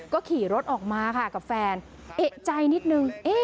ก็ขี่รถออกมาค่ะกับแฟนเอกใจนิดนึง